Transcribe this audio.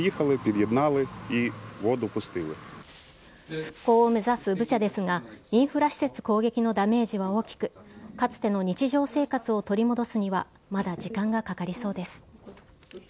復興を目指すブチャですが、インフラ施設攻撃のダメージは大きく、かつての日常生活を取り戻すにはまだ時間がかかりそうです。